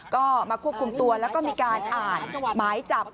ก็มาควบคุมตัวแล้วก็มีการอ่านหมายจับ